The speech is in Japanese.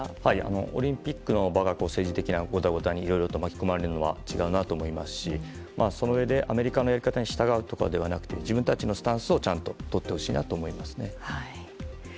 オリンピックの場が政治的なごたごたに巻き込まれるのは違うなと思いますしそのうえでアメリカのやり方に従うとかではなくて自分たちのスタンスをちゃんととってほしいなと思います。